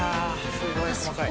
すごい細かい。